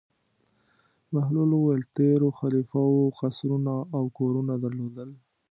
بهلول وویل: تېرو خلیفه وو قصرونه او کورونه درلودل.